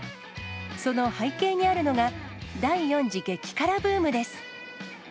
その背景にあるのが、第４次激辛ブームです。